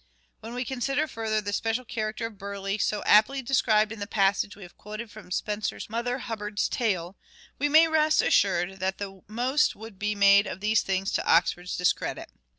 When we consider further the special character of Burleigh, so aptly described in the passage we have quoted from Spenser's " Mother Hubbard's Tale," we may rest assured that the most would be made of these things to Oxford's discredit.